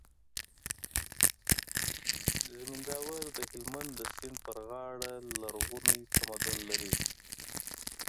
زينداور د هلمند د سيند پر غاړه لرغونی تمدن لري